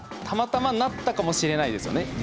たまたまなったかもしれないですよね。